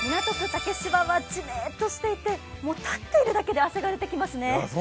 竹芝はジメっとしていて、立っているだけで汗が出てきますね。